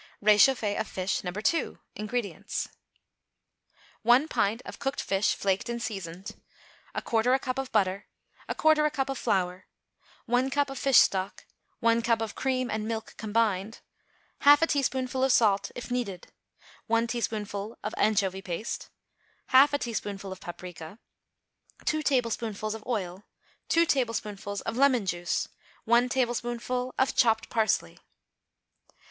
=Réchauffé of Fish, No. 2.= INGREDIENTS. 1 pint of cooked fish, flaked and seasoned. 1/4 a cup of butter. 1/4 a cup of flour. 1 cup of fish stock. 1 cup of cream and milk combined. 1/2 a teaspoonful of salt, if needed. 1 teaspoonful of anchovy paste. 1/2 a teaspoonful of paprica. 2 tablespoonfuls of oil. 2 tablespoonfuls of lemon juice. 1 tablespoonful of chopped parsley.